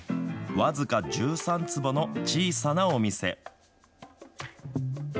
僅か１３坪の小さなお店。